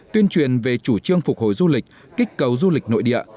tuyên truyền về chủ trương phục hồi du lịch kích cầu du lịch nội địa